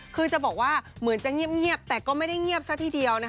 คือจะบอกว่าเหมือนจะเงียบแต่ก็ไม่ได้เงียบซะทีเดียวนะคะ